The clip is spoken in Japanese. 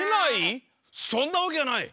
そんなわけはない！